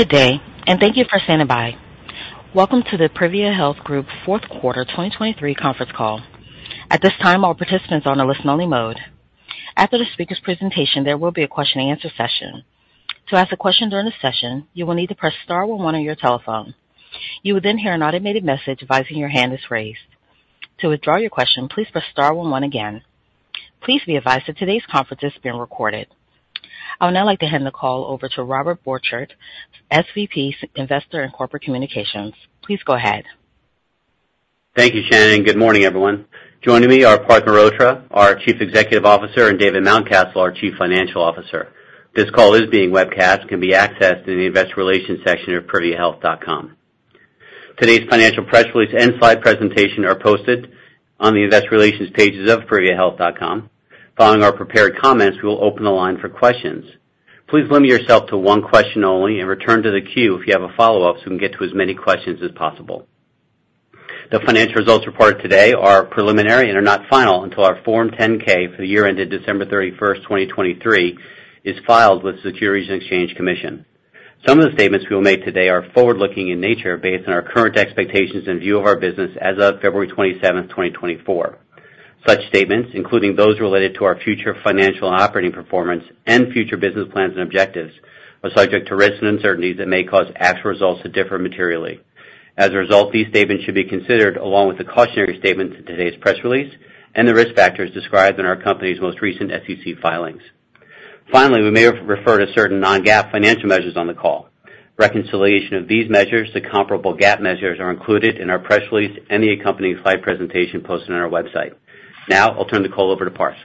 Good day, and thank you for standing by. Wel come to the Privia Health Group fourth quarter 2023 conference call. At this time, all participants are on a listen-only mode. After the speaker's presentation, there will be a question-and-answer session. To ask a question during the session, you will need to press star one one on your telephone. You will then hear an automated message advising your hand is raised. To withdraw your question, please press star one one again. Please be advised that today's conference is being recorded. I would now like to hand the call over to Robert Borchert, SVP, Investor and Corporate Communications. Please go ahead. Thank you, Shannon, and good morning, everyone. Joining me are Parth Mehrotra, our Chief Executive Officer, and David Mountcastle, our Chief Financial Officer. This call is being webcast and can be accessed in the investor relations section of priviahealth.com. Today's financial press release and slide presentation are posted on the investor relations pages of priviahealth.com. Following our prepared comments, we will open the line for questions. Please limit yourself to one question only and return to the queue if you have a follow-up, so we can get to as many questions as possible. The financial results reported today are preliminary and are not final until our Form 10-K for the year ended December 31st, 2023, is filed with the Securities and Exchange Commission. Some of the statements we will make today are forward-looking in nature based on our current expectations and view of our business as of February 27th, 2024. Such statements, including those related to our future financial and operating performance and future business plans and objectives, are subject to risks and uncertainties that may cause actual results to differ materially. As a result, these statements should be considered along with the cautionary statements in today's press release and the risk factors described in our company's most recent SEC filings. Finally, we may refer to certain non-GAAP financial measures on the call. Reconciliation of these measures to comparable GAAP measures are included in our press release and the accompanying slide presentation posted on our website. Now I'll turn the call over to Parth.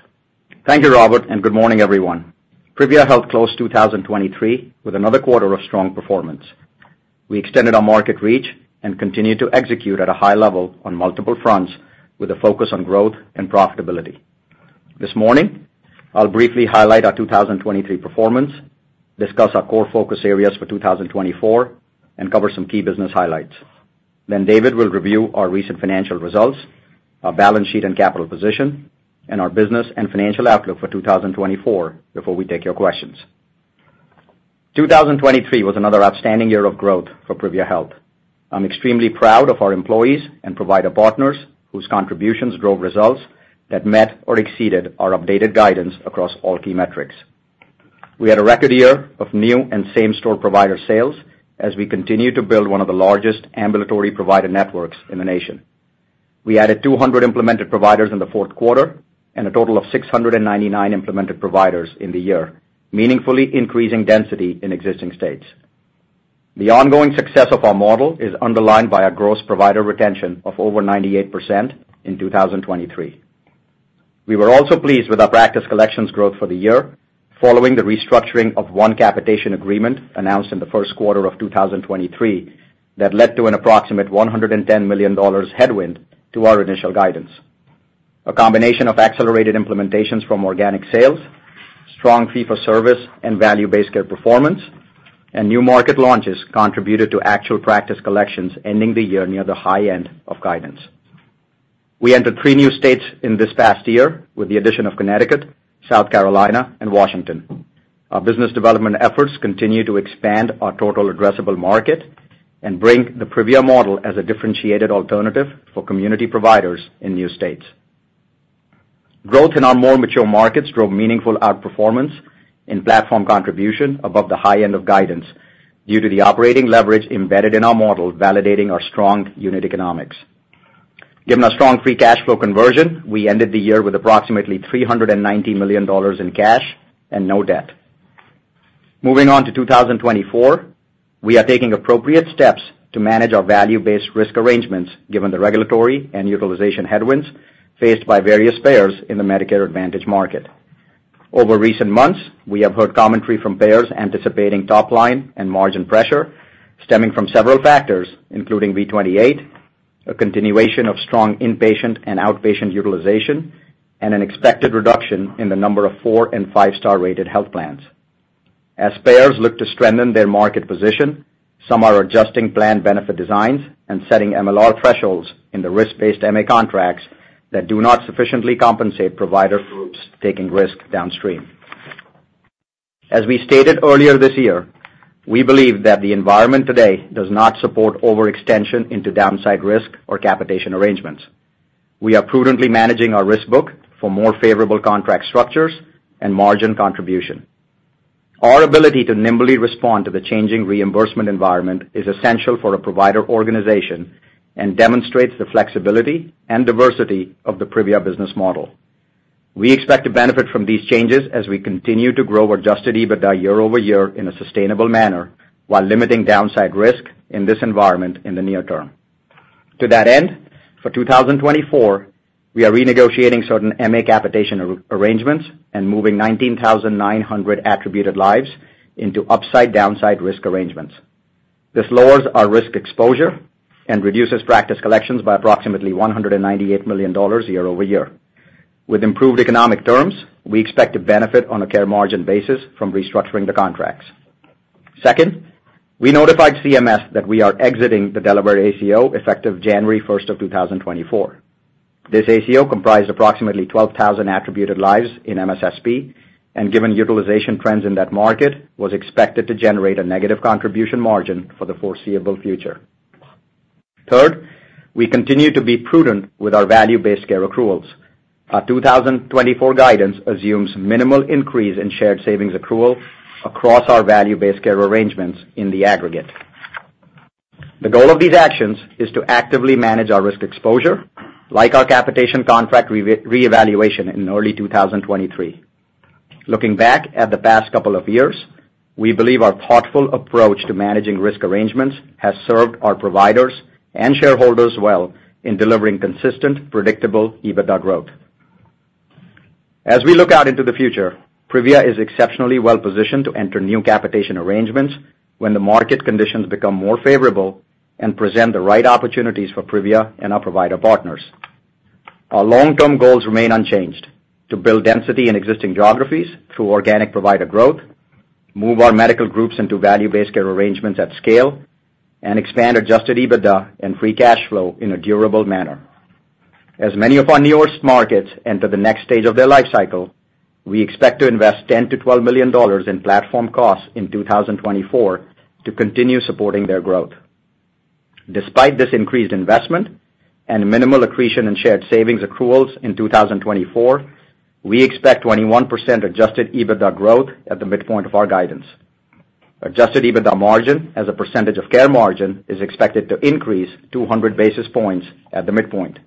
Thank you, Robert, and good morning, everyone. Privia Health closed 2023 with another quarter of strong performance. We extended our market reach and continued to execute at a high level on multiple fronts with a focus on growth and profitability. This morning, I'll briefly highlight our 2023 performance, discuss our core focus areas for 2024, and cover some key business highlights. Then David will review our recent financial results, our balance sheet and capital position, and our business and financial outlook for 2024 before we take your questions. 2023 was another outstanding year of growth for Privia Health. I'm extremely proud of our employees and provider partners, whose contributions drove results that met or exceeded our updated guidance across all key metrics. We had a record year of new and same-store provider sales as we continue to build one of the largest ambulatory provider networks in the nation. We added 200 implemented providers in the fourth quarter and a total of 699 implemented providers in the year, meaningfully increasing density in existing states. The ongoing success of our model is underlined by our gross provider retention of over 98% in 2023. We were also pleased with our practice collections growth for the year following the restructuring of one capitation agreement announced in the first quarter of 2023 that led to an approximate $110 million headwind to our initial guidance. A combination of accelerated implementations from organic sales, strong fee-for-service and value-based care performance, and new market launches contributed to actual practice collections ending the year near the high end of guidance. We entered three new states in this past year with the addition of Connecticut, South Carolina, and Washington. Our business development efforts continue to expand our total addressable market and bring the Privia model as a differentiated alternative for community providers in new states. Growth in our more mature markets drove meaningful outperformance in platform contribution above the high end of guidance due to the operating leverage embedded in our model, validating our strong unit economics. Given our strong free cash flow conversion, we ended the year with approximately $390 million in cash and no debt. Moving on to 2024, we are taking appropriate steps to manage our value-based risk arrangements, given the regulatory and utilization headwinds faced by various payers in the Medicare Advantage market. Over recent months, we have heard commentary from payers anticipating top line and margin pressure stemming from several factors, including V-28, a continuation of strong inpatient and outpatient utilization, and an expected reduction in the number of four- and five-star rated health plans. As payers look to strengthen their market position, some are adjusting plan benefit designs and setting MLR thresholds in the risk-based MA contracts that do not sufficiently compensate provider groups taking risk downstream. As we stated earlier this year, we believe that the environment today does not support overextension into downside risk or capitation arrangements. We are prudently managing our risk book for more favorable contract structures and margin contribution. Our ability to nimbly respond to the changing reimbursement environment is essential for a provider organization and demonstrates the flexibility and diversity of the Privia business model. We expect to benefit from these changes as we continue to grow our Adjusted EBITDA year-over-year in a sustainable manner, while limiting downside risk in this environment in the near term. To that end, for 2024, we are renegotiating certain MA capitation arrangements and moving 19,900 attributed lives into upside-downside risk arrangements. This lowers our risk exposure and reduces practice collections by approximately $198 million year-over-year. With improved economic terms, we expect to benefit on a care margin basis from restructuring the contracts. Second, we notified CMS that we are exiting the Delaware ACO effective January 1st, 2024. This ACO comprised approximately 12,000 attributed lives in MSSP, and given utilization trends in that market, was expected to generate a negative contribution margin for the foreseeable future. Third, we continue to be prudent with our value-based care accruals. Our 2024 guidance assumes minimal increase in shared savings accrual across our value-based care arrangements in the aggregate. The goal of these actions is to actively manage our risk exposure, like our capitation contract reevaluation in early 2023. Looking back at the past couple of years, we believe our thoughtful approach to managing risk arrangements has served our providers and shareholders well in delivering consistent, predictable EBITDA growth. As we look out into the future, Privia is exceptionally well positioned to enter new capitation arrangements when the market conditions become more favorable and present the right opportunities for Privia and our provider partners. Our long-term goals remain unchanged: to build density in existing geographies through organic provider growth, move our medical groups into value-based care arrangements at scale, and expand adjusted EBITDA and free cash flow in a durable manner. As many of our newest markets enter the next stage of their life cycle, we expect to invest $10 million-$12 million in platform costs in 2024 to continue supporting their growth. Despite this increased investment and minimal accretion in shared savings accruals in 2024, we expect 21% adjusted EBITDA growth at the midpoint of our guidance. Adjusted EBITDA margin as a percentage of care margin is expected to increase 200 basis points at the midpoint.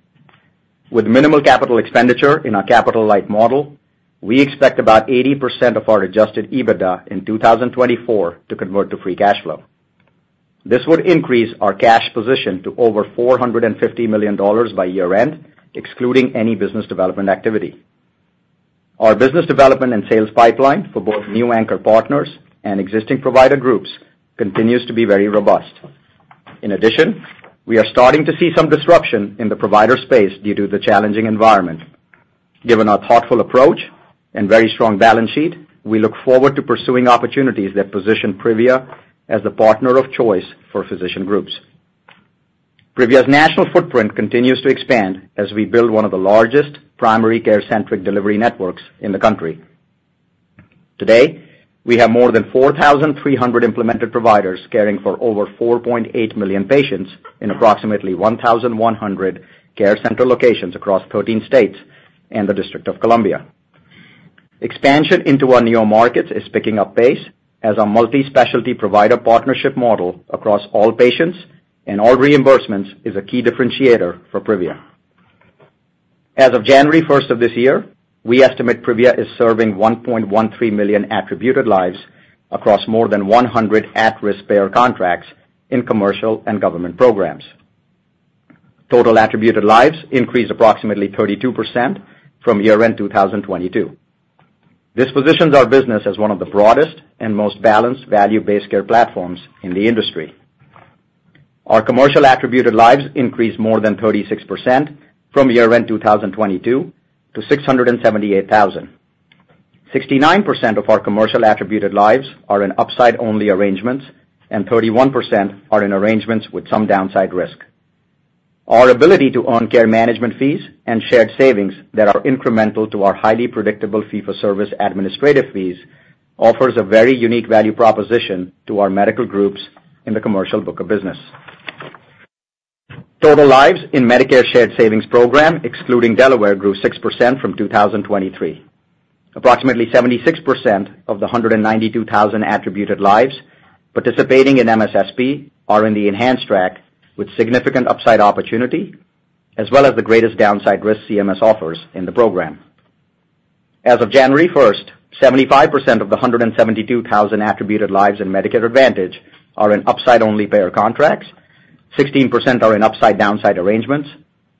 With minimal capital expenditure in our capital-light model, we expect about 80% of our adjusted EBITDA in 2024 to convert to free cash flow. This would increase our cash position to over $450 million by year-end, excluding any business development activity. Our business development and sales pipeline for both new anchor partners and existing provider groups continues to be very robust. In addition, we are starting to see some disruption in the provider space due to the challenging environment. Given our thoughtful approach and very strong balance sheet, we look forward to pursuing opportunities that position Privia as the partner of choice for physician groups. Privia's national footprint continues to expand as we build one of the largest primary care-centric delivery networks in the country. Today, we have more than 4,300 implemented providers caring for over 4.8 million patients in approximately 1,100 care center locations across 13 states and the District of Columbia. Expansion into our new markets is picking up pace as our multi-specialty provider partnership model across all patients and all reimbursements is a key differentiator for Privia. As of January 1st of this year, we estimate Privia is serving 1.13 million attributed lives across more than 100 at-risk payer contracts in commercial and government programs. Total attributed lives increased approximately 32% from year-end 2022. This positions our business as one of the broadest and most balanced value-based care platforms in the industry. Our commercial attributed lives increased more than 36% from year-end 2022 to 678,000. Sixty-nine percent of our commercial attributed lives are in upside-only arrangements, and 31% are in arrangements with some downside risk. Our ability to own care management fees and shared savings that are incremental to our highly predictable fee-for-service administrative fees offers a very unique value proposition to our medical groups in the commercial book of business. Total lives in Medicare Shared Savings Program, excluding Delaware, grew 6% from 2023. Approximately 76% of the 192,000 attributed lives participating in MSSP are in the Enhanced Track with significant upside opportunity, as well as the greatest downside risk CMS offers in the program. As of January 1, 75% of the 172,000 attributed lives in Medicare Advantage are in upside-only payer contracts, 16% are in upside-downside arrangements.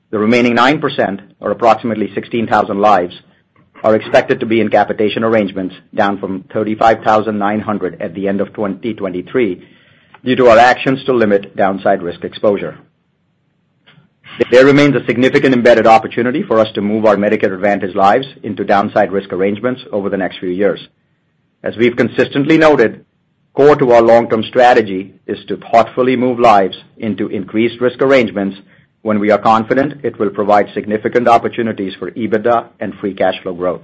The remaining 9%, or approximately 16,000 lives, are expected to be in capitation arrangements, down from 35,900 at the end of 2023, due to our actions to limit downside risk exposure. There remains a significant embedded opportunity for us to move our Medicare Advantage lives into downside risk arrangements over the next few years. As we've consistently noted, core to our long-term strategy is to thoughtfully move lives into increased risk arrangements when we are confident it will provide significant opportunities for EBITDA and free cash flow growth.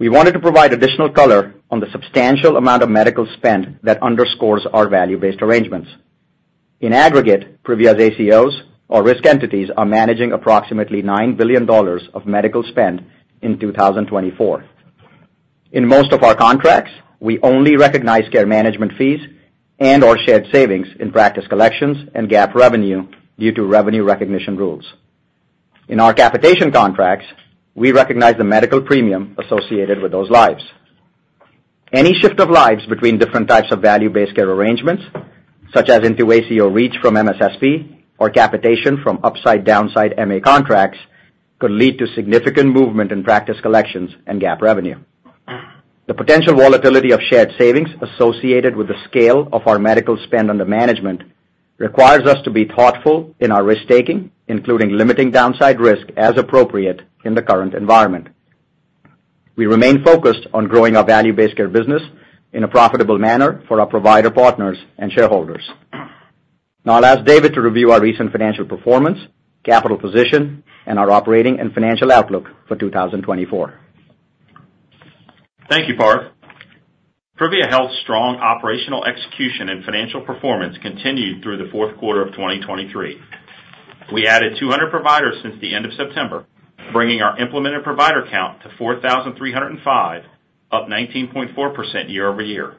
We wanted to provide additional color on the substantial amount of medical spend that underscores our value-based arrangements. In aggregate, Privia's ACOs or risk entities are managing approximately $9 billion of medical spend in 2024. In most of our contracts, we only recognize care management fees and/or shared savings in practice collections and GAAP revenue due to revenue recognition rules. In our capitation contracts, we recognize the medical premium associated with those lives. Any shift of lives between different types of value-based care arrangements, such as into ACO REACH from MSSP or capitation from upside-downside MA contracts, could lead to significant movement in practice collections and GAAP revenue. The potential volatility of shared savings associated with the scale of our medical spend under management requires us to be thoughtful in our risk-taking, including limiting downside risk as appropriate in the current environment. We remain focused on growing our value-based care business in a profitable manner for our provider partners and shareholders. Now I'll ask David to review our recent financial performance, capital position, and our operating and financial outlook for 2024. Thank you, Parth. Privia Health's strong operational execution and financial performance continued through the fourth quarter of 2023. We added 200 providers since the end of September, bringing our implemented provider count to 4,305, up 19.4% year-over-year.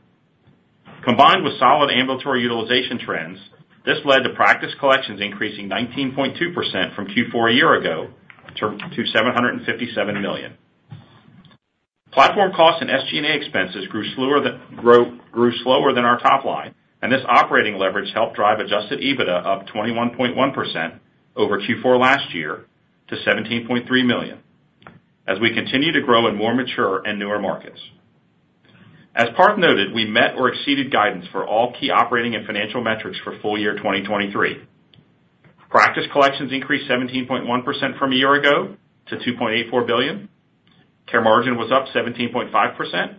Combined with solid ambulatory utilization trends, this led to practice collections increasing 19.2% from Q4 a year ago to $757 million. Platform costs and SG&A expenses grew slower than our top line, and this operating leverage helped drive adjusted EBITDA up 21.1% over Q4 last year to $17.3 million, as we continue to grow in more mature and newer markets. As Parth noted, we met or exceeded guidance for all key operating and financial metrics for full year 2023. Practice collections increased 17.1% from a year ago to $2.84 billion. Care margin was up 17.5%,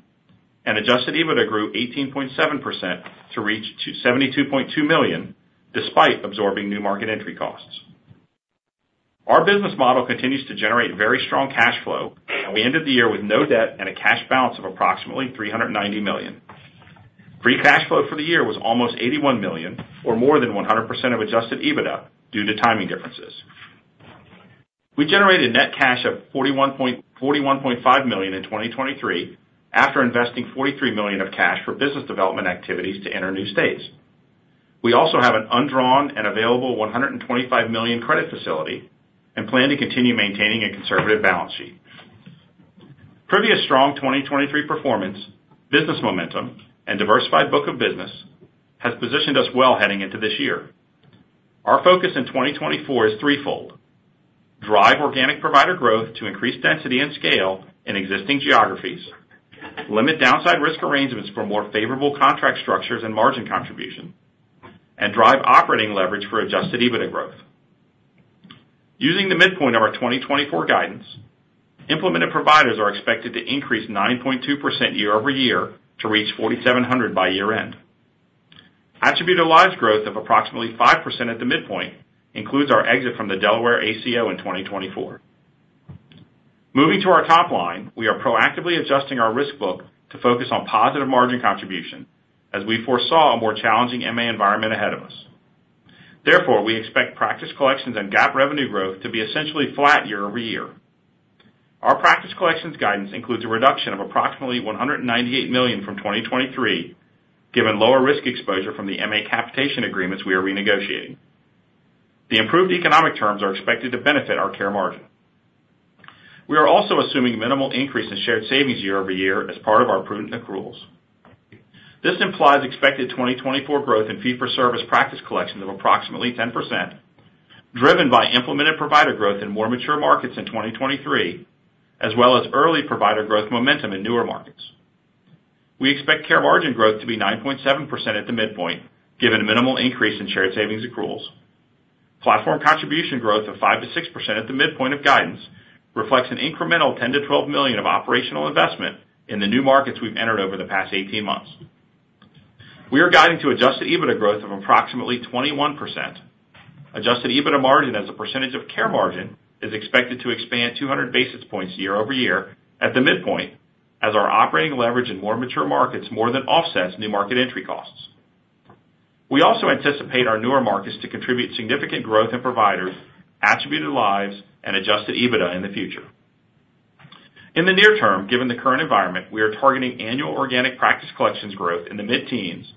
and Adjusted EBITDA grew 18.7% to reach $72.2 million, despite absorbing new market entry costs. Our business model continues to generate very strong cash flow, and we ended the year with no debt and a cash balance of approximately $390 million. Free cash flow for the year was almost $81 million, or more than 100% of Adjusted EBITDA, due to timing differences. We generated net cash of $41.5 million in 2023, after investing $43 million of cash for business development activities to enter new states. We also have an undrawn and available $125 million credit facility and plan to continue maintaining a conservative balance sheet. Privia's strong 2023 performance, business momentum, and diversified book of business has positioned us well heading into this year. Our focus in 2024 is threefold: drive organic provider growth to increase density and scale in existing geographies, limit downside risk arrangements for more favorable contract structures and margin contribution, and drive operating leverage for Adjusted EBITDA growth. Using the midpoint of our 2024 guidance, implemented providers are expected to increase 9.2% year-over-year to reach 4,700 by year-end. Attributed lives growth of approximately 5% at the midpoint includes our exit from the Delaware ACO in 2024. Moving to our top line, we are proactively adjusting our risk book to focus on positive margin contribution as we foresaw a more challenging MA environment ahead of us. Therefore, we expect practice collections and GAAP revenue growth to be essentially flat year-over-year. Our practice collections guidance includes a reduction of approximately $198 million from 2023, given lower risk exposure from the MA capitation agreements we are renegotiating. The improved economic terms are expected to benefit our care margin. We are also assuming minimal increase in shared savings year-over-year as part of our prudent accruals. This implies expected 2024 growth in fee-for-service practice collection of approximately 10%, driven by implemented provider growth in more mature markets in 2023, as well as early provider growth momentum in newer markets. We expect care margin growth to be 9.7% at the midpoint, given a minimal increase in shared savings accruals. Platform contribution growth of 5%-6% at the midpoint of guidance reflects an incremental $10 million-$12 million of operational investment in the new markets we've entered over the past 18 months. We are guiding to Adjusted EBITDA growth of approximately 21%. Adjusted EBITDA margin as a percentage of Care Margin is expected to expand 200 basis points year-over-year at the midpoint, as our operating leverage in more mature markets more than offsets new market entry costs. We also anticipate our newer markets to contribute significant growth in providers, Attributed Lives, and Adjusted EBITDA in the future. In the near term, given the current environment, we are targeting annual organic Practice Collections growth in the mid-teens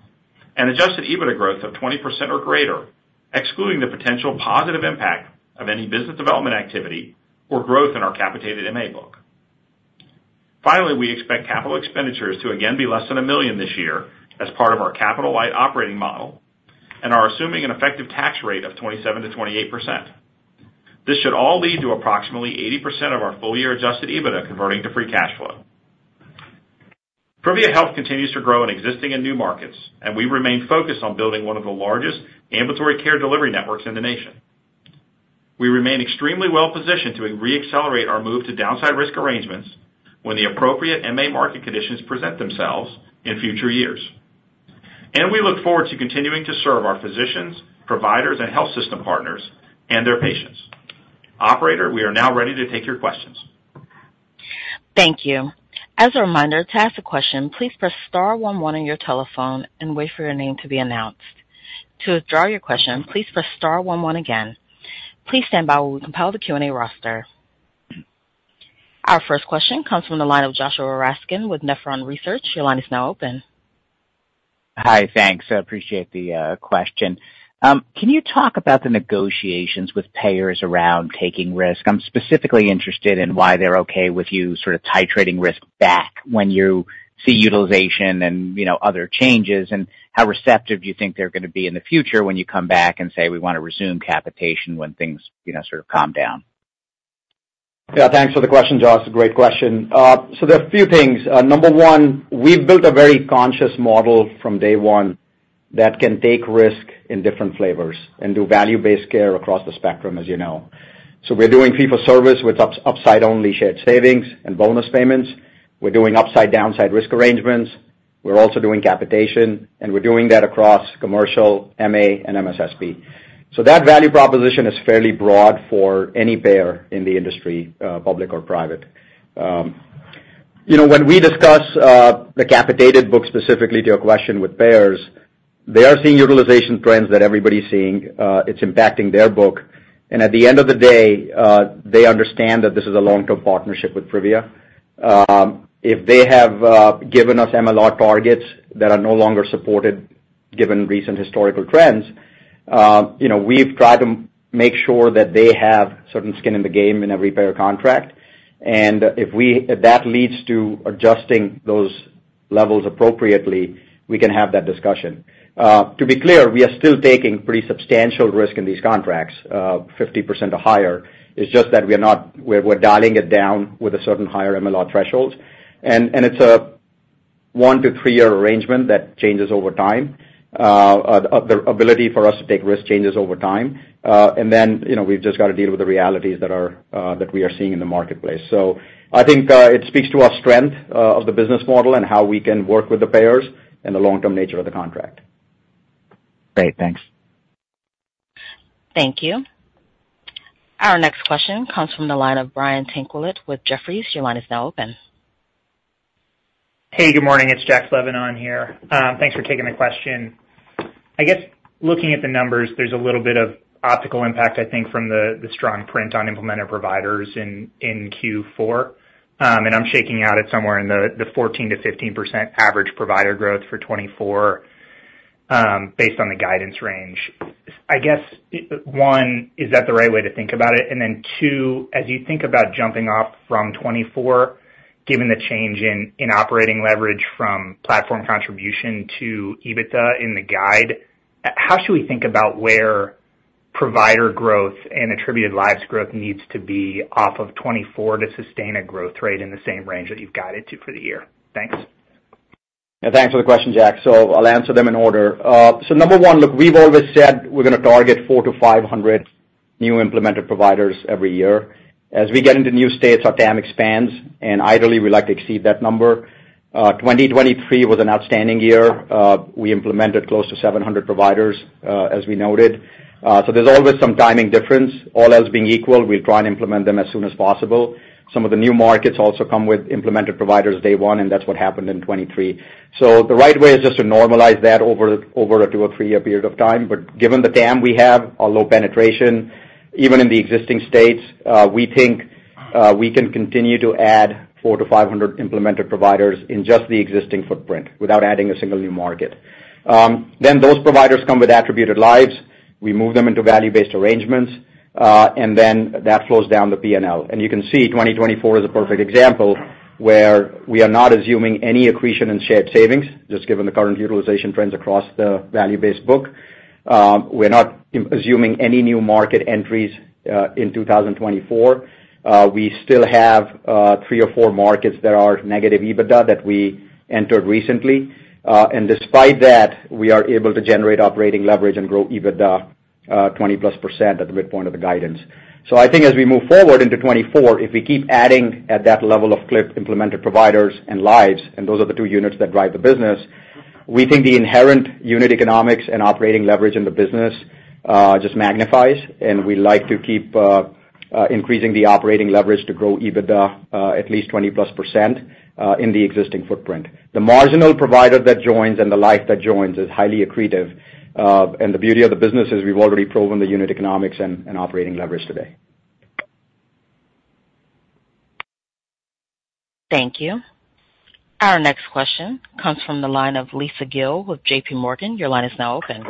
and Adjusted EBITDA growth of 20% or greater, excluding the potential positive impact of any business development activity or growth in our capitated MA book. Finally, we expect capital expenditures to again be less than $1 million this year as part of our capital-light operating model and are assuming an effective tax rate of 27%-28%. This should all lead to approximately 80% of our full-year adjusted EBITDA converting to free cash flow. Privia Health continues to grow in existing and new markets, and we remain focused on building one of the largest ambulatory care delivery networks in the nation. We remain extremely well positioned to reaccelerate our move to downside risk arrangements when the appropriate MA market conditions present themselves in future years. And we look forward to continuing to serve our physicians, providers, and health system partners and their patients. Operator, we are now ready to take your questions. Thank you. As a reminder, to ask a question, please press star one one on your telephone and wait for your name to be announced. To withdraw your question, please press star one one again. Please stand by while we compile the Q&A roster. Our first question comes from the line of Joshua Raskin with Nephron Research. Your line is now open. Hi, thanks. I appreciate the question. Can you talk about the negotiations with payers around taking risk? I'm specifically interested in why they're okay with you sort of titrating risk back when you see utilization and, you know, other changes, and how receptive you think they're gonna be in the future when you come back and say, "We want to resume capitation," when things, you know, sort of calm down? Yeah, thanks for the question, Josh. Great question. So there are a few things. Number one, we've built a very conscious model from day one. That can take risk in different flavors and do value-based care across the spectrum, as you know. So we're doing fee-for-service with upside-only shared savings and bonus payments. We're doing upside-downside risk arrangements, we're also doing capitation, and we're doing that across commercial, MA, and MSSP. So that value proposition is fairly broad for any payer in the industry, public or private. You know, when we discuss the capitated book, specifically to your question with payers, they are seeing utilization trends that everybody's seeing. It's impacting their book, and at the end of the day, they understand that this is a long-term partnership with Privia. If they have given us MLR targets that are no longer supported, given recent historical trends, you know, we've tried to make sure that they have certain skin in the game in every payer contract. And if that leads to adjusting those levels appropriately, we can have that discussion. To be clear, we are still taking pretty substantial risk in these contracts, 50% or higher. It's just that we are not. We're dialing it down with a certain higher MLR threshold. And it's a one to three year arrangement that changes over time. The ability for us to take risk changes over time. And then, you know, we've just got to deal with the realities that we are seeing in the marketplace. So I think it speaks to our strength of the business model and how we can work with the payers and the long-term nature of the contract. Great, thanks. Thank you. Our next question comes from the line of Brian Tanquilut with Jefferies. Your line is now open. Hey, good morning, it's Jack Levin here. Thanks for taking the question. I guess, looking at the numbers, there's a little bit of optical impact, I think, from the strong print on implemented providers in Q4. And I'm shaking out at somewhere in the 14-15 average provider growth for 2024, based on the guidance range. I guess, one, is that the right way to think about it? And then two, as you think about jumping off from 2024, given the change in operating leverage from platform contribution to EBITDA in the guide, how should we think about where provider growth and attributed lives growth needs to be off of 2024 to sustain a growth rate in the same range that you've guided to for the year? Thanks. Thanks for the question, Jack. So I'll answer them in order. So number one, look, we've always said we're gonna target 400-500 new implemented providers every year. As we get into new states, our TAM expands, and ideally, we'd like to exceed that number. 2023 was an outstanding year. We implemented close to 700 providers, as we noted. So there's always some timing difference. All else being equal, we try and implement them as soon as possible. Some of the new markets also come with implemented providers day one, and that's what happened in 2023. So the right way is just to normalize that over a two- or three-year period of time. But given the TAM, we have a low penetration. Even in the existing states, we think we can continue to add 400-500 implemented providers in just the existing footprint without adding a single new market. Then those providers come with attributed lives. We move them into value-based arrangements, and then that flows down the PNL. And you can see 2024 is a perfect example, where we are not assuming any accretion in shared savings, just given the current utilization trends across the value-based book. We're not assuming any new market entries in 2024. We still have three or four markets that are negative EBITDA that we entered recently. And despite that, we are able to generate operating leverage and grow EBITDA 20%+ at the midpoint of the guidance. So I think as we move forward into 2024, if we keep adding at that level of clip, implemented providers and lives, and those are the two units that drive the business, we think the inherent unit economics and operating leverage in the business just magnifies, and we like to keep increasing the operating leverage to grow EBITDA at least 20%+ in the existing footprint. The marginal provider that joins and the life that joins is highly accretive. The beauty of the business is we've already proven the unit economics and operating leverage today. Thank you. Our next question comes from the line of Lisa Gill with JPMorgan. Your line is now open.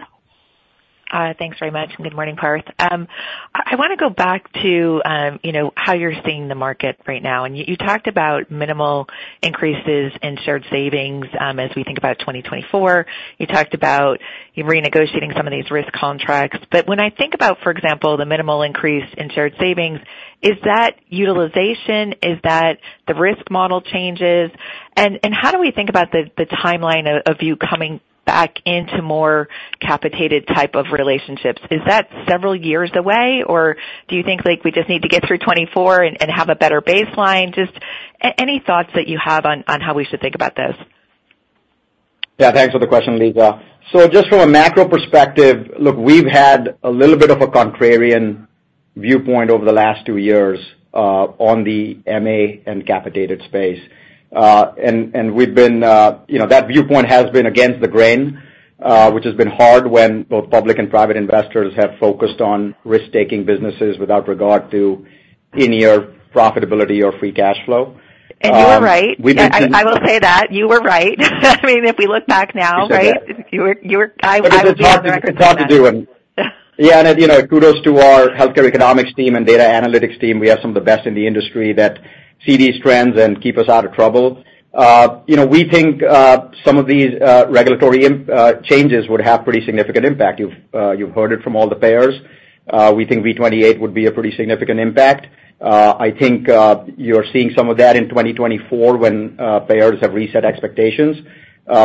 Thanks very much, and good morning, Parth. I wanna go back to, you know, how you're seeing the market right now. And you talked about minimal increases in shared savings, as we think about 2024. You talked about renegotiating some of these risk contracts. But when I think about, for example, the minimal increase in shared savings, is that utilization, is that the risk model changes? And how do we think about the timeline of you coming back into more capitated type of relationships? Is that several years away, or do you think, like, we just need to get through 2024 and have a better baseline? Just any thoughts that you have on how we should think about this. Yeah, thanks for the question, Lisa. So just from a macro perspective, look, we've had a little bit of a contrarian viewpoint over the last two years, on the MA and capitated space. And we've been... You know, that viewpoint has been against the grain, which has been hard when both public and private investors have focused on risk-taking businesses without regard to near profitability or free cash flow. You were right. We've been. I will say that, you were right. I mean, if we look back now, right? You said that. You were. I will be on record saying that. It's hard to do. And yeah, and, you know, kudos to our healthcare economics team and data analytics team. We have some of the best in the industry that see these trends and keep us out of trouble. You know, we think some of these regulatory changes would have pretty significant impact. You've heard it from all the payers. We think V-28 would be a pretty significant impact. I think you're seeing some of that in 2024 when payers have reset expectations.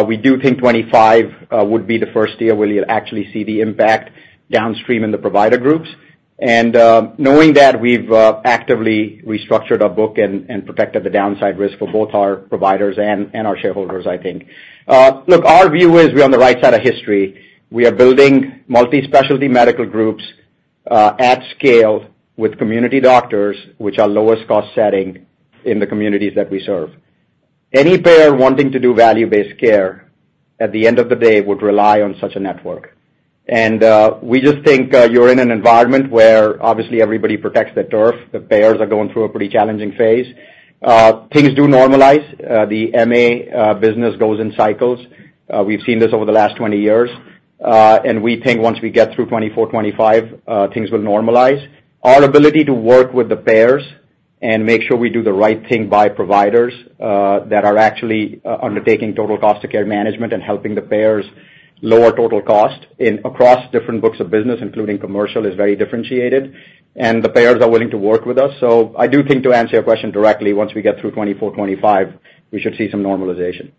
We do think 2025 would be the first year where you'll actually see the impact downstream in the provider groups. And knowing that we've actively restructured our book and protected the downside risk for both our providers and our shareholders, I think. Look, our view is we're on the right side of history. We are building multi-specialty medical groups at scale with community doctors, which are lowest cost setting in the communities that we serve. Any payer wanting to do value-based care, at the end of the day, would rely on such a network. And we just think you're in an environment where obviously everybody protects their turf. The payers are going through a pretty challenging phase. Things do normalize. The MA business goes in cycles. We've seen this over the last 20 years. And we think once we get through 2024, 2025, things will normalize. Our ability to work with the payers and make sure we do the right thing by providers that are actually undertaking total cost of care management and helping the payers lower total cost in, across different books of business, including commercial, is very differentiated, and the payers are willing to work with us. So I do think, to answer your question directly, once we get through 2024, 2025, we should see some normalization.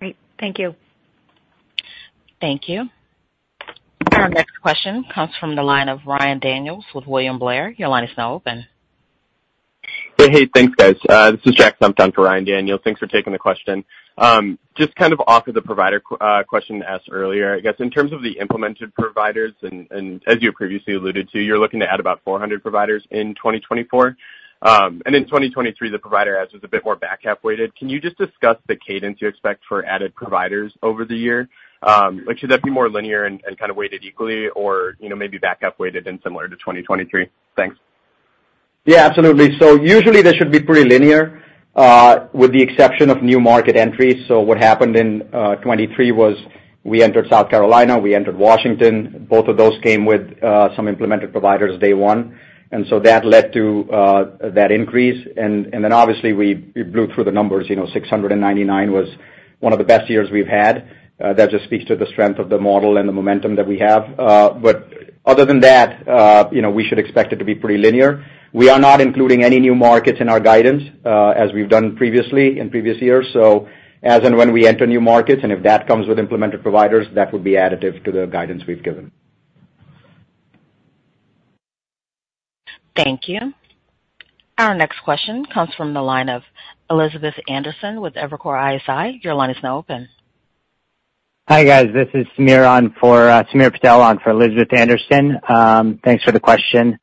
Great. Thank you. Thank you. Our next question comes from the line of Ryan Daniels with William Blair. Your line is now open. Hey, hey, thanks, guys. This is Jack Senft for Ryan Daniels. Thanks for taking the question. Just kind of off of the provider question asked earlier, I guess in terms of the implemented providers, and as you previously alluded to, you're looking to add about 400 providers in 2024. And in 2023, the provider adds was a bit more back-half weighted. Can you just discuss the cadence you expect for added providers over the year? Like, should that be more linear and kind of weighted equally or, you know, maybe back-half weighted and similar to 2023? Thanks. Yeah, absolutely. So usually, this should be pretty linear, with the exception of new market entries. So what happened in 2023 was we entered South Carolina, we entered Washington. Both of those came with some implemented providers day one, and so that led to that increase. And then obviously, we blew through the numbers, you know, 699 was one of the best years we've had. That just speaks to the strength of the model and the momentum that we have. But other than that, you know, we should expect it to be pretty linear. We are not including any new markets in our guidance, as we've done previously in previous years. So as and when we enter new markets, and if that comes with implemented providers, that would be additive to the guidance we've given. Thank you. Our next question comes from the line of Elizabeth Anderson with Evercore ISI. Your line is now open. Hi, guys. This is Sameer Patel on for Elizabeth Anderson. Thanks for the question.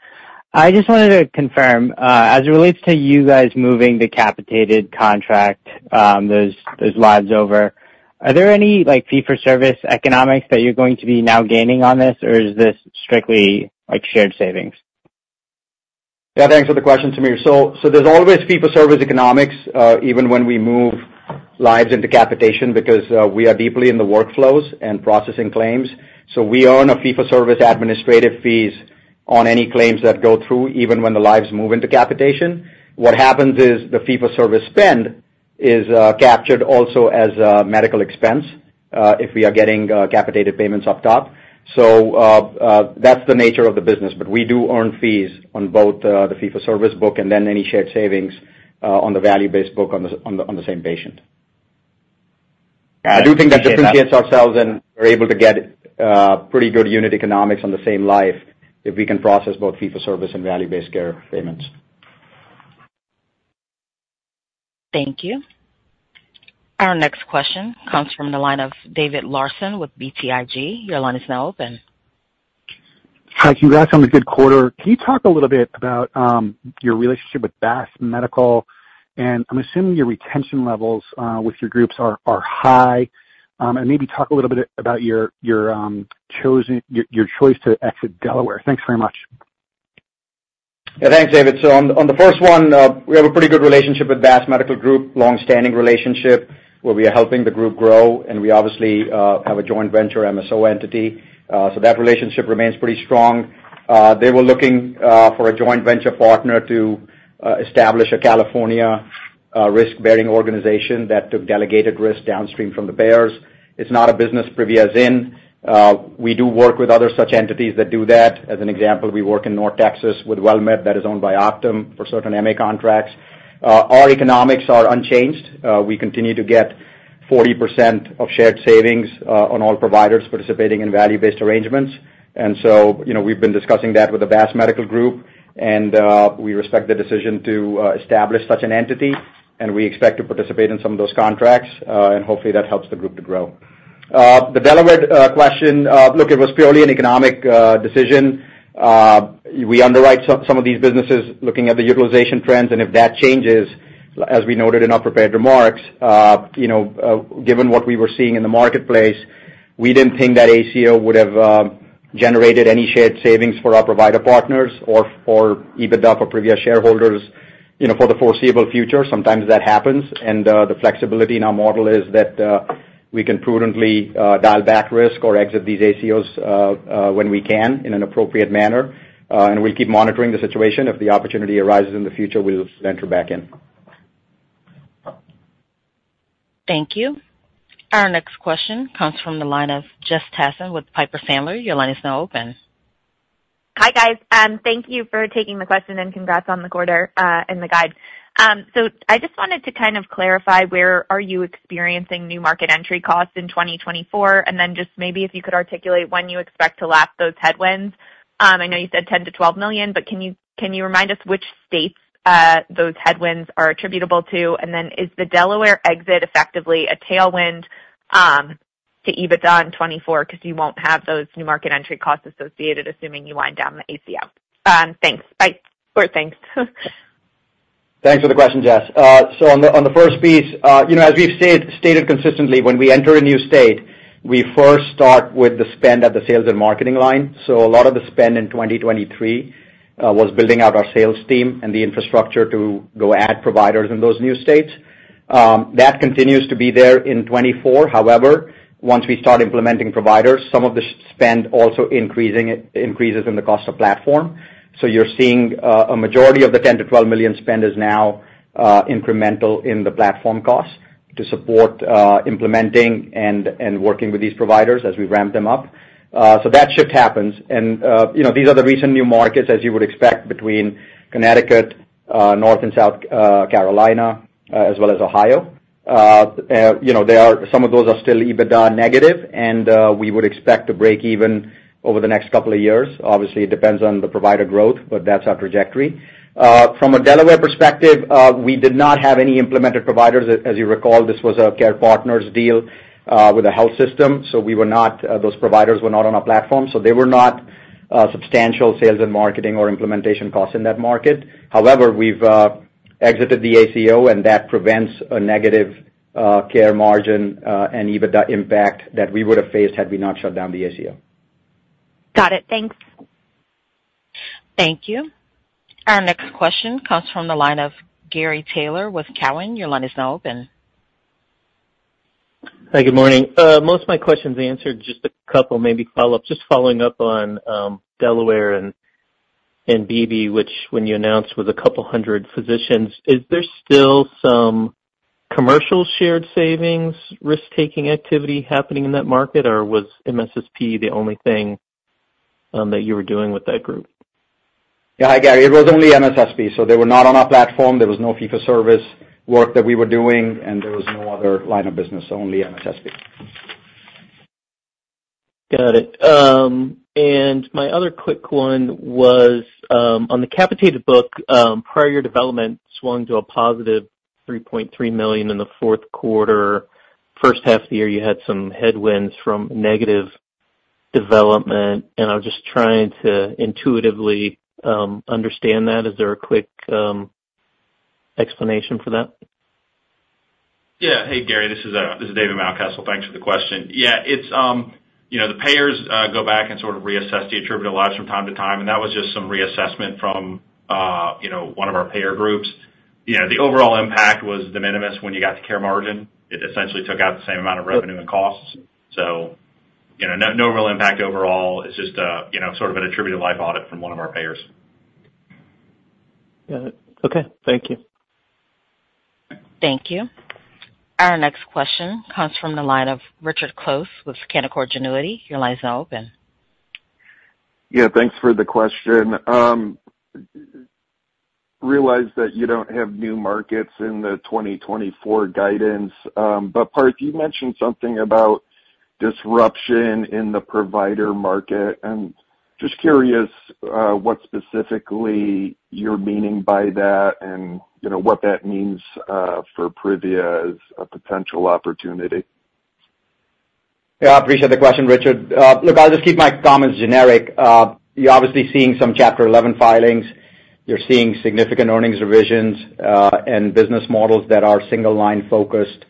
I just wanted to confirm, as it relates to you guys moving the capitated contract, those lives over, are there any, like, fee-for-service economics that you're going to be now gaining on this? Or is this strictly, like, shared savings? Yeah, thanks for the question, Samir. So there's always fee-for-service economics, even when we move lives into capitation, because we are deeply in the workflows and processing claims. So we earn a fee-for-service administrative fees on any claims that go through, even when the lives move into capitation. What happens is the fee-for-service spend is captured also as a medical expense, if we are getting capitated payments up top. So, that's the nature of the business, but we do earn fees on both the fee-for-service book and then any shared savings on the value-based book on the same patient. I do think that differentiates ourselves, and we're able to get pretty good unit economics on the same life if we can process both fee-for-service and value-based care payments. Thank you. Our next question comes from the line of David Larsen with BTIG. Your line is now open. Hi, congrats on the good quarter. Can you talk a little bit about your relationship with BASS Medical? And I'm assuming your retention levels with your groups are high. And maybe talk a little bit about your choice to exit Delaware. Thanks very much. Yeah, thanks, David. So on the first one, we have a pretty good relationship with BASS Medical Group, long-standing relationship, where we are helping the group grow, and we obviously have a joint venture MSO entity. So that relationship remains pretty strong. They were looking for a joint venture partner to establish a California risk-bearing organization that took delegated risk downstream from the payers. It's not a business Privia is in. We do work with other such entities that do that. As an example, we work in North Texas with WellMed, that is owned by Optum, for certain MA contracts. Our economics are unchanged. We continue to get 40% of shared savings on all providers participating in value-based arrangements. And so, you know, we've been discussing that with the BASS Medical Group, and we respect their decision to establish such an entity, and we expect to participate in some of those contracts, and hopefully that helps the group to grow. The Delaware question, look, it was purely an economic decision. We underwrite some of these businesses looking at the utilization trends, and if that changes, as we noted in our prepared remarks, you know, given what we were seeing in the marketplace, we didn't think that ACO would have generated any shared savings for our provider partners or EBITDA for Privia shareholders, you know, for the foreseeable future. Sometimes that happens, and the flexibility in our model is that we can prudently dial back risk or exit these ACOs when we can in an appropriate manner, and we'll keep monitoring the situation. If the opportunity arises in the future, we'll enter back in. Thank you. Our next question comes from the line of Jess Tassan with Piper Sandler. Your line is now open. Hi, guys, thank you for taking the question, and congrats on the quarter, and the guide. So I just wanted to kind of clarify, where are you experiencing new market entry costs in 2024? And then just maybe if you could articulate when you expect to lap those headwinds. I know you said $10 million-$12 million, but can you, can you remind us which states, those headwinds are attributable to? And then is the Delaware exit effectively a tailwind to EBITDA in 2024 because you won't have those new market entry costs associated, assuming you wind down the ACO? Thanks. Bye. Or thanks. Thanks for the question, Jess. So on the first piece, you know, as we've stated consistently, when we enter a new state, we first start with the spend at the sales and marketing line. So a lot of the spend in 2023 was building out our sales team and the infrastructure to go add providers in those new states. That continues to be there in 2024. However, once we start implementing providers, some of the spend also increasing, it increases in the cost of platform. So you're seeing a majority of the $10 million-$12 million spend is now incremental in the platform costs to support implementing and working with these providers as we ramp them up. So that shift happens. You know, these are the recent new markets, as you would expect, between Connecticut, North and South Carolina, as well as Ohio. You know, they are, some of those are still EBITDA negative, and we would expect to break even over the next couple of years. Obviously, it depends on the provider growth, but that's our trajectory. From a Delaware perspective, we did not have any implemented providers. As you recall, this was a Care Partners deal with a health system, so we were not, those providers were not on our platform, so they were not substantial sales and marketing or implementation costs in that market. However, we've exited the ACO, and that prevents a negative care margin and EBITDA impact that we would have faced had we not shut down the ACO. Got it. Thanks. Thank you. Our next question comes from the line of Gary Taylor with Cowen. Your line is now open. Hi, good morning. Most of my questions answered, just a couple, maybe follow up. Just following up on Delaware and BASS, which, when you announced, was a couple hundred physicians. Is there still some commercial shared savings, risk-taking activity happening in that market, or was MSSP the only thing that you were doing with that group? Yeah. Hi, Gary. It was only MSSP, so they were not on our platform. There was no fee-for-service work that we were doing, and there was no other line of business, only MSSP. Got it. And my other quick one was on the capitated book, prior year development swung to a positive $3.3 million in the fourth quarter. First half of the year, you had some headwinds from negative development, and I was just trying to intuitively understand that. Is there a quick explanation for that? Yeah. Hey, Gary, this is, this is David Mountcastle. Thanks for the question. Yeah, it's, you know, the payers, go back and sort of reassess the attributed lives from time to time, and that was just some reassessment from, you know, one of our payer groups. You know, the overall impact was de minimis when you got the care margin. It essentially took out the same amount of revenue and costs. So, you know, no, no real impact overall. It's just a, you know, sort of an attributed life audit from one of our payers. Got it. Okay. Thank you. Thank you. Our next question comes from the line of Richard Close with Canaccord Genuity. Your line is now open. Yeah, thanks for the question. Realize that you don't have new markets in the 2024 guidance, but Parth, you mentioned something about disruption in the provider market, and just curious, what specifically you're meaning by that, and, you know, what that means, for Privia as a potential opportunity. Yeah, I appreciate the question, Richard. Look, I'll just keep my comments generic. You're obviously seeing some Chapter Eleven filings. You're seeing significant earnings revisions, and business models that are single-line focused,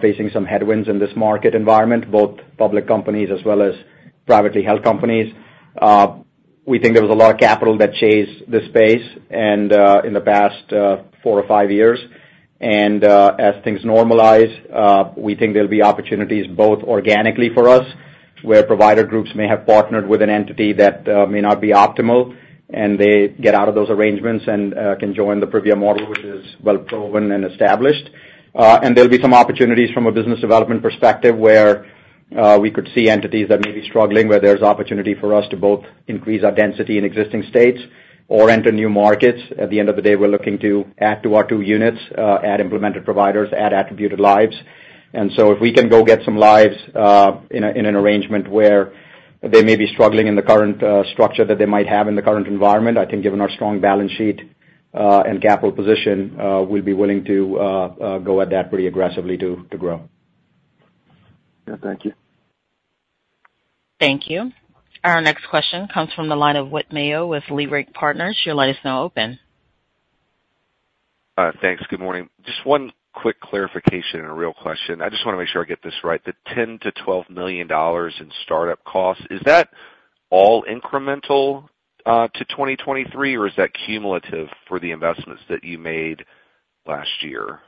facing some headwinds in this market environment, both public companies as well as privately held companies. We think there was a lot of capital that chased this space and, in the past, four or five years. As things normalize, we think there'll be opportunities both organically for us, where provider groups may have partnered with an entity that may not be optimal, and they get out of those arrangements and can join the Privia model, which is well proven and established. And there'll be some opportunities from a business development perspective, where we could see entities that may be struggling, where there's opportunity for us to both increase our density in existing states or enter new markets. At the end of the day, we're looking to add to our two units, add implemented providers, add attributed lives. And so if we can go get some lives, in an arrangement where they may be struggling in the current structure that they might have in the current environment, I think given our strong balance sheet and capital position, we'll be willing to go at that pretty aggressively to grow. Yeah, thank you. Thank you. Our next question comes from the line of Whit Mayo with Leerink Partners. Your line is now open. Thanks. Good morning. Just one quick clarification and a real question. I just wanna make sure I get this right. The $10 million-$12 million in startup costs, is that all incremental to 2023, or is that cumulative for the investments that you made last year?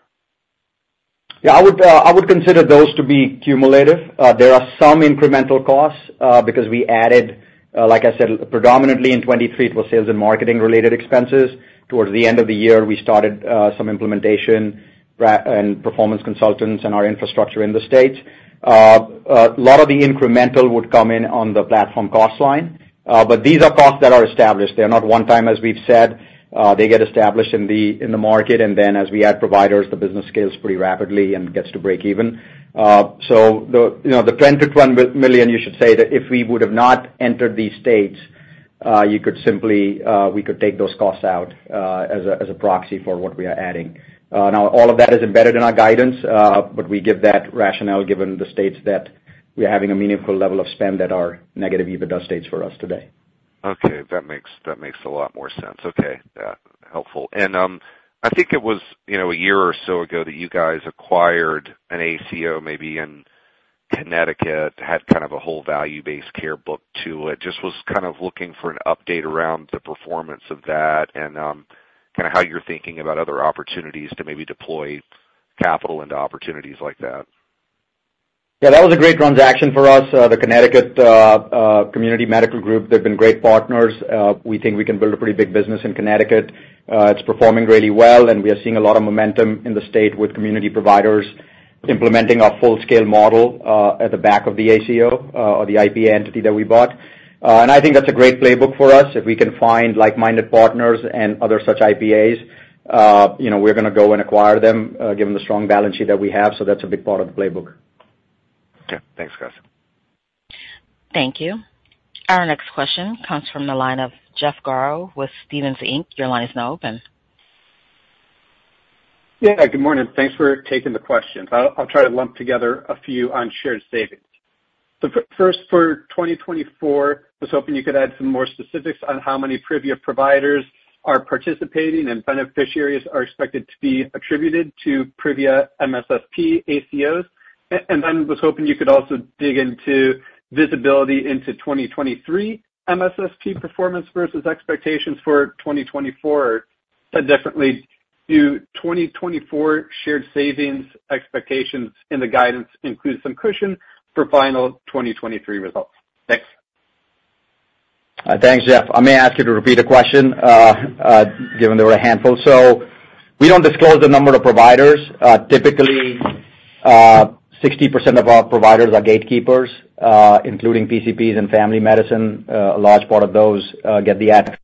Yeah, I would, I would consider those to be cumulative. There are some incremental costs, because we added. Like I said, predominantly in 2023, it was sales and marketing related expenses. Towards the end of the year, we started some implementation and performance consultants and our infrastructure in the States. A lot of the incremental would come in on the platform cost line, but these are costs that are established. They're not one time, as we've said. They get established in the, in the market, and then as we add providers, the business scales pretty rapidly and gets to breakeven. So the, you know, the $21 million, you should say that if we would have not entered these states, you could simply, we could take those costs out, as a, as a proxy for what we are adding. Now, all of that is embedded in our guidance, but we give that rationale, given the states that we're having a meaningful level of spend at our negative EBITDA states for us today. Okay, that makes, that makes a lot more sense. Okay, yeah, helpful. And, I think it was, you know, a year or so ago that you guys acquired an ACO, maybe in Connecticut, had kind of a whole value-based care book to it. Just was kind of looking for an update around the performance of that and, kind of how you're thinking about other opportunities to maybe deploy capital into opportunities like that. Yeah, that was a great transaction for us. The Connecticut Community Medical Group, they've been great partners. We think we can build a pretty big business in Connecticut. It's performing really well, and we are seeing a lot of momentum in the state with community providers implementing our full-scale model at the back of the ACO or the IPA entity that we bought. And I think that's a great playbook for us. If we can find like-minded partners and other such IPAs, you know, we're gonna go and acquire them given the strong balance sheet that we have. So that's a big part of the playbook. Okay. Thanks, guys. Thank you. Our next question comes from the line of Jeff Garro with Stephens, Inc. Your line is now open. Yeah, good morning. Thanks for taking the questions. I'll try to lump together a few on shared savings. So first, for 2024, I was hoping you could add some more specifics on how many Privia providers are participating and beneficiaries are expected to be attributed to Privia MSSP ACOs. And then was hoping you could also dig into visibility into 2023 MSSP performance versus expectations for 2024, that definitely do 2024 shared savings expectations in the guidance include some cushion for final 2023 results. Thanks. Thanks, Jeff. I may ask you to repeat a question, given there were a handful. So we don't disclose the number of providers. Typically, 60% of our providers are gatekeepers, including PCPs and family medicine. A large part of those get the att-